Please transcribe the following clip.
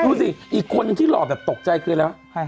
ดูสิอีกคนที่หล่อแต่ตกใจคืนแล้ว